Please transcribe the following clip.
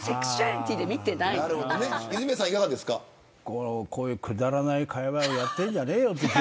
こういうくだらない会話をやっているんじゃねえよと思う。